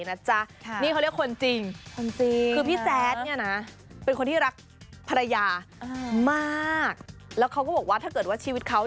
นี่เขาเรียกคนจริง